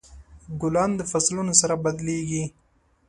ګلان د فصلونو سره بدلیږي.